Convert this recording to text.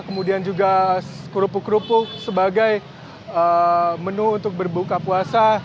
kemudian juga kerupuk kerupuk sebagai menu untuk berbuka puasa